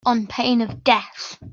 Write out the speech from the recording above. On pain of death